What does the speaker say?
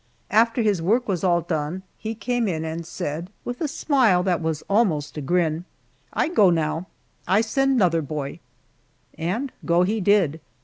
After his work was all done he came in and said, with a smile that was almost a grin, "I go now I send 'nother boy," and go he did.